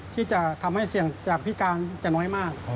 ที่จะทำให้เสี่ยงจากพิการจะน้อยมาก